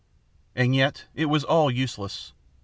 "And yet it was all useless.